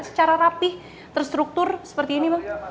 secara rapih terstruktur seperti ini bang